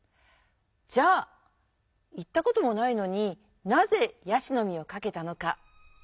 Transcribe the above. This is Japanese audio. じゃあ行ったこともないのになぜ「椰子の実」を書けたのか？